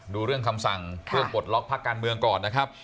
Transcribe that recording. ดูเรื่องคำสั่งเรื่องปลดล็อกพักการเมืองก่อนนะครับ